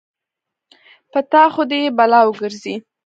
په تا خو دې يې بلا وګرځې.